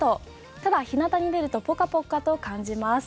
ただ、日向に出るとポカポカと感じます。